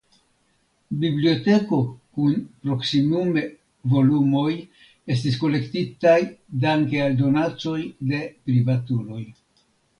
Biblioteko kun proksimume volumoj estis kolektitaj danke al donacoj de privatuloj.